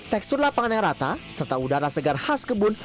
tekstur lapangan yang rata serta udara segar khas kebun